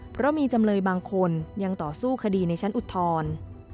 เพราะมีจำเลยบางคนยังต่อสู้คดีในชั้นอุทธรณ์